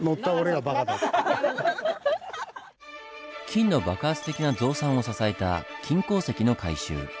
金の爆発的な増産を支えた金鉱石の回収。